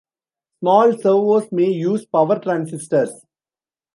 Small servos may use power transistors.